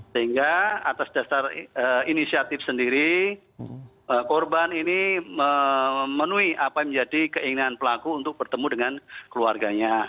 sehingga atas dasar inisiatif sendiri korban ini memenuhi apa yang menjadi keinginan pelaku untuk bertemu dengan keluarganya